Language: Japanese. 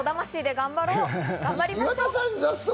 頑張りましょう。